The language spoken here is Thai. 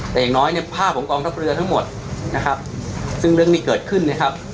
แต่อย่างน้อยเนี่ยภาพของกองทัพเรือทั้งหมดนะครับซึ่งเรื่องนี้เกิดขึ้นนะครับ